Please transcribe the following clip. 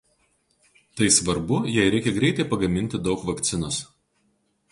Tai svarbu jei reikia greitai pagaminti daug vakcinos.